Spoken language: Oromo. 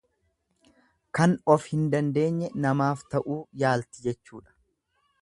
Kan of hin dandeenye namaaf ta'uuf yaalti jechuudha.